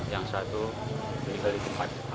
yang satu tinggal di tempat